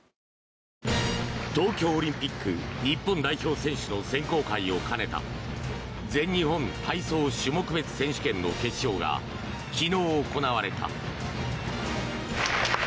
東京オリンピック日本代表選手の選考会を兼ねた全日本体操種目別選手権の決勝が昨日、行われた。